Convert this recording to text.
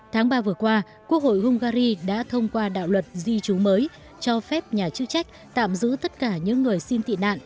tháng ba vừa qua quốc hội hungary đã thông qua đạo luật di trú mới cho phép nhà chức trách tạm giữ tất cả những người xin tị nạn